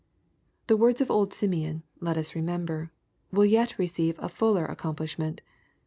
The words of old Simeon, let us remember, will yet receive a fuller accomplishment.